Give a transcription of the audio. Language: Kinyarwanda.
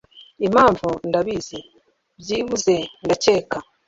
Impamvu ndabizi byibuze ndakeka